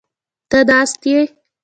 ته ناست یې؟